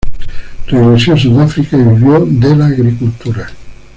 Regresó a Sudáfrica y vivió de la agricultura.